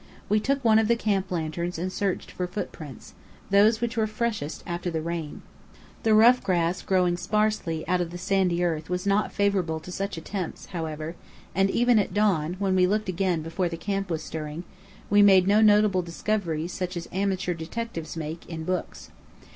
We took one of the camp lanterns and searched for footprints those which were freshest after the rain. The rough grass growing sparsely out of the sandy earth was not favourable to such attempts, however; and even at dawn, when we looked again before the camp was stirring, we made no notable discoveries such as amateur detectives make, in books.